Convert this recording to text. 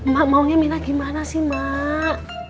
mak maunya minah gimana sih mak